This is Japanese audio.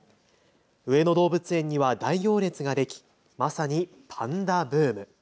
上野動物園には大行列ができまさにパンダブーム。